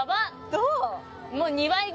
どう？